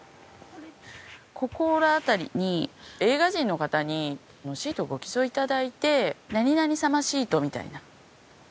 ここらあたりに映画人の方にシートをご寄贈いただいて「何々様シート」みたいな。